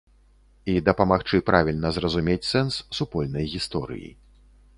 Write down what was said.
І дапамагчы правільна зразумець сэнс супольнай гісторыі.